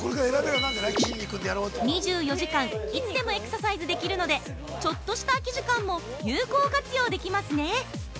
２４時間いつでもエクササイズできるので、ちょっとした空き時間も有効活用できますね。